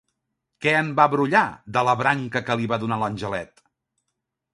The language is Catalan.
Què en va brollar, de la branca que li va donar l'angelet?